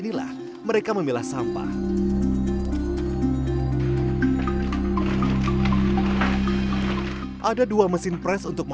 sepuluh nilai mengelola sampah ter martha parker hati